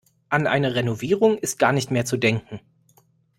An eine Renovierung ist gar nicht mehr zu denken.